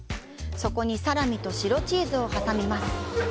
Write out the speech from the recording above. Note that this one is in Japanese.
そこに、サラミと白チーズを挟みます。